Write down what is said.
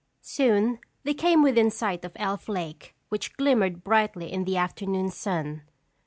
Soon they came within sight of Elf Lake which glimmered brightly in the afternoon sun.